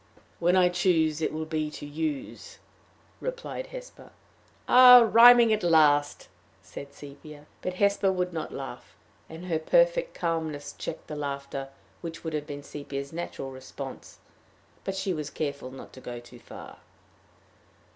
"When I choose, it will be to use," replied Hesper. "Rhyming, at last!" said Sepia. But Hesper would not laugh, and her perfect calmness checked the laughter which would have been Sepia's natural response: she was careful not to go too far.